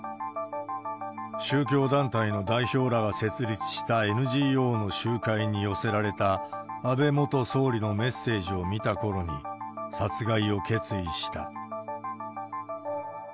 宗教団体の代表らが設立したＮＧＯの集会に寄せられた、安倍元総理のメッセージを見たころに、殺害を決意した。